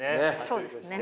そうですね